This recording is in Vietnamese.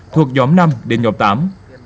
thuộc nhóm năm đến nhóm tám